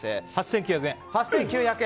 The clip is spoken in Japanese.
８９００円！